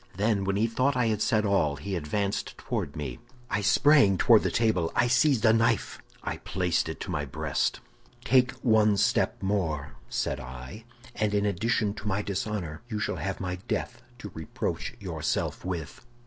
Then, when he thought I had said all, he advanced toward me; I sprang toward the table, I seized a knife, I placed it to my breast. "Take one step more," said I, "and in addition to my dishonor, you shall have my death to reproach yourself with."